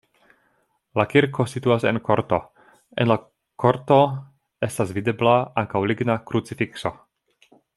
La kirko situas en korto, en la korto estas videbla ankaŭ ligna krucifikso.